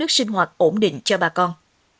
nước sinh hoạt ổn định cho bà con